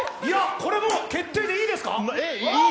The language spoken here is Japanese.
これ、決定でいいですか？